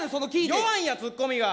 弱いんやツッコミが。